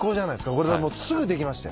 これでもうすぐできましたよ。